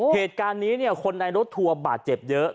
เหตุการณ์นี้เนี่ยคนในรถทัวร์บาดเจ็บเยอะ